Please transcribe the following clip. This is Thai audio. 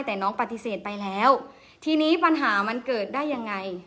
แต่น้องปฏิเสธไปแล้วทีนี้ปัญหามันเกิดได้ยังไง